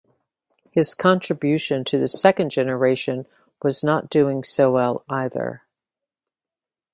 His contribution to the second generation was not doing so well either.